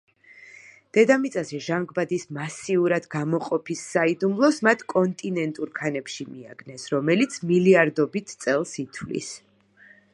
დედამიწაზე ჟანგბადის მასიურად გამოყოფის საიდუმლოს მათ კონტინენტურ ქანებში მიაგნეს, რომელიც მილიარდობით წელს ითვლის.